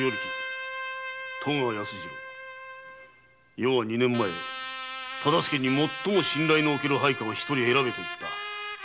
余は二年前忠相に「最も信頼のおける配下を一人選べ」と言った。